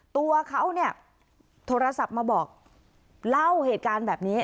ตัวเขาเนี่ยโทรศัพท์มาบอกเล่าเหตุการณ์แบบนี้